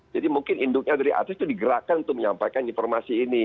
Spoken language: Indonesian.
jadi mungkin induknya dari atas itu digerakkan untuk menyampaikan informasi ini